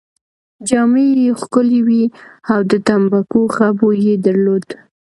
جامې يې ښکلې وې او د تمباکو ښه بوی يې درلود.